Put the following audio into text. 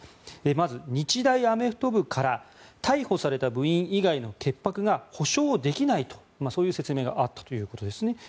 まず、日大アメフト部から逮捕された部員以外の潔白が保証できないとそういう説明があったということですね。